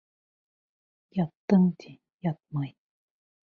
Яттың, ти, ятмай!